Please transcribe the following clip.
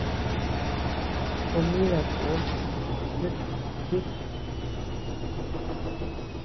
Comida kun yuta kuchi.